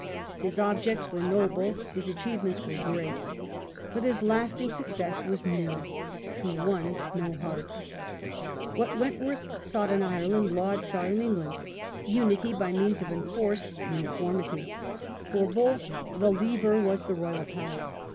His objects were noble, his achievements were great, but his lasting success was nil. He won no hearts. What Wentworth sought in Ireland Laud sought in England — unity by means of enforced uniformity. For TheLaudian t)oth the lever was the Royal power.